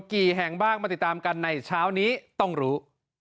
กี่แห่งบ้างมาติดตามกันในเช้านี้ต้องรู้